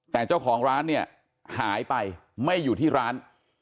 แต่เจ้าของร้านเนี่ยหายไปไม่อยู่ที่ร้าน